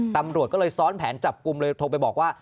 ตำรวจก็เลยซ้อนแผนจับกลุ่มเลยโทรไปบอกว่า